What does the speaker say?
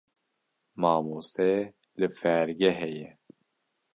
Mamoste li fêrgehê ye.